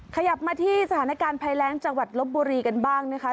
ขยับมาที่สถานการณ์ภัยแรงจังหวัดลบบุรีกันบ้างนะคะ